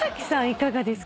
いかがですか？